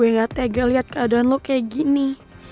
udah nggak tega liat keadaan lo kayak gini